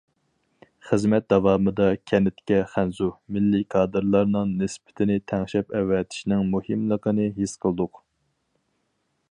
خىزمەت داۋامىدا كەنتكە خەنزۇ، مىللىي كادىرلارنىڭ نىسبىتىنى تەڭشەپ ئەۋەتىشنىڭ مۇھىملىقىنى ھېس قىلدۇق.